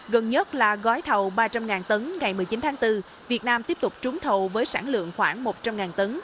gần nhất là gói thầu ba trăm linh tấn ngày một mươi chín tháng bốn việt nam tiếp tục trúng thầu với sản lượng khoảng một trăm linh tấn